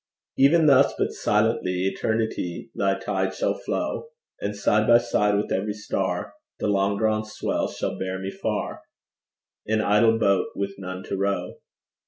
Even thus, but silently, Eternity, thy tide shall flow And side by side with every star Thy long drawn swell shall bear me far, An idle boat with none to row.